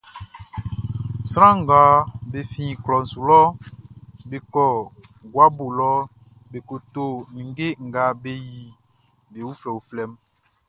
Sran nga be fin klɔʼn su lɔʼn, be kɔ guabo lɔ be ko to ninnge nga be yili be uflɛuflɛʼn.